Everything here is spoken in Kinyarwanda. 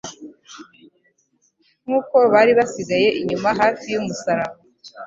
Nk'uko bari basigaye inyuma hafi y'umusaraba,